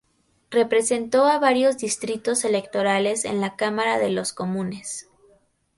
Representó a varios distritos electorales en la Cámara de los Comunes.